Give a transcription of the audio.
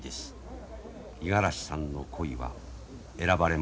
五十嵐さんの鯉は選ばれませんでした。